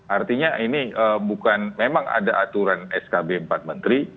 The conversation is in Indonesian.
artinya ini bukan memang ada aturan skb empat menteri